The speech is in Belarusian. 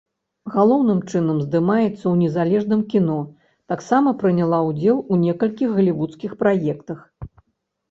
Галоўным чынам здымаецца ў незалежным кіно, таксама прыняла ўдзел у некалькіх галівудскіх праектах.